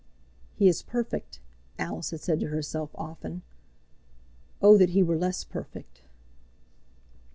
"He is perfect!" Alice had said to herself often. "Oh that he were less perfect!"